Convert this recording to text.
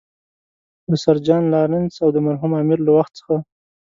له سر جان لارنس او د مرحوم امیر له وخت څخه.